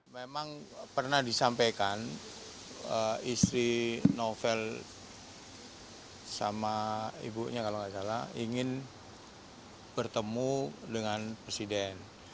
memang pernah disampaikan istri novel sama ibunya kalau nggak salah ingin bertemu dengan presiden